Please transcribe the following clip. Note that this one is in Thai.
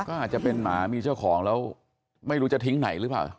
ก็อาจจะเป็นหมามีเจ้าของแล้วไม่รู้จะทิ้งไหนหรือเปล่า